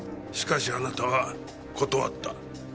しかしあなたは断った。